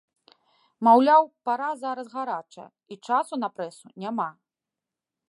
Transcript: Маўляў, пара зараз гарачая і часу на прэсу няма.